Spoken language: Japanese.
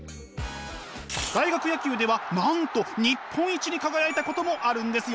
大学野球ではなんと日本一に輝いたこともあるんですよ！